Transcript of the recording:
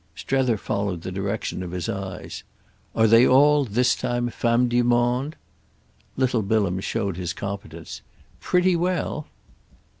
Strether followed the direction of his eyes. "Are they all, this time, femmes du monde?" Little Bilham showed his competence. "Pretty well."